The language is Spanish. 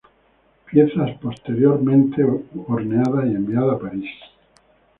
Pieza posteriormente horneada y enviada a París.